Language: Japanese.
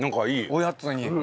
おやつに。